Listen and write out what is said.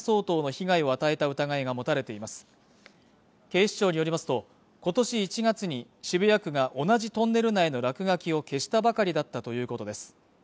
警視庁によりますとことし１月に渋谷区が同じトンネル内の落書きを消したばかりだったということです